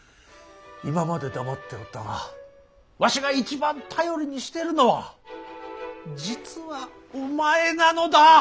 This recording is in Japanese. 今まで黙っておったがわしが一番頼りにしてるのは実はお前なのだ。